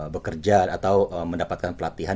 bekerja atau mendapatkan pelatihan